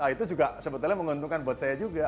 itu juga sebetulnya menguntungkan buat saya juga